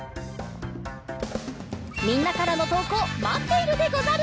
みんなからのとうこうまっているでござる！